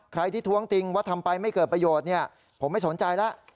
ที่ท้วงติงว่าทำไปไม่เกิดประโยชน์เนี่ยผมไม่สนใจแล้ว